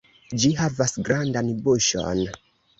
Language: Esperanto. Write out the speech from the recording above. Ĝi havas grandan buŝon.